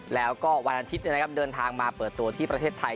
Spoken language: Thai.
แล้วก็วันอาทิตย์เดินทางมาเปิดตัวที่ประเทศไทย